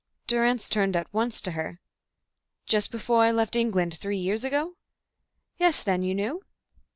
Durrance turned at once to her. "Just before I left England three years ago?" "Yes. Then you knew?"